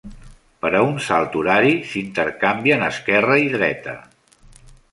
Per a un salt horari, s'intercanvien esquerra i dreta.